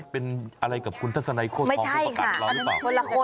เป็นอะไรกับคุณทัสไนโคทอธังอยู่ประกันเราหรือเปล่า